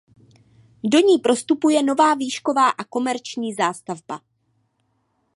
Do ní prostupuje nová výšková a komerční zástavba.